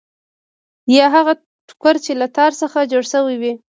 یا هغه ټوکر چې له تار څخه جوړ شوی وي.